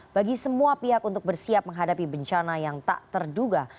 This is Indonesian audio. bagi semua pihak untuk bersiap menghadapi bencana yang tak terduga